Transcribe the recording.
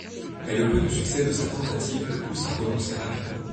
Mais le peu de succès de sa tentative le pousse à renoncer rapidement.